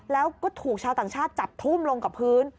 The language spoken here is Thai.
แล้วก็ถูกชาวต่างชาติจับทุ่มลงกับพื้น